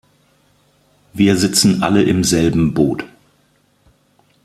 Wir sitzen alle im selben Boot!